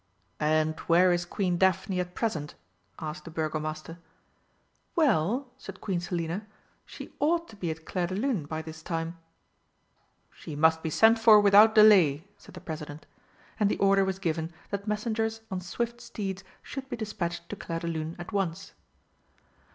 "And where is Queen Daphne at present?" asked the Burgomaster. "Well," said Queen Selina, "she ought to be at Clairdelune by this time." "She must be sent for without delay," said the President, and the order was given that messengers on swift steeds should be despatched to Clairdelune at once.